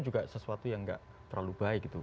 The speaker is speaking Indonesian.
juga sesuatu yang tidak terlalu baik